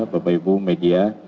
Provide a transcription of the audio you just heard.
bapak ibu media